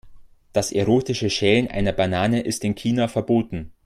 Das erotische Schälen einer Banane ist in China verboten.